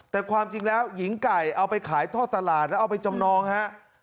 แต่ความจริงแล้วหญิงไก่เอาไปขายท่อตลาดแล้วเอาไปจำนองฮะ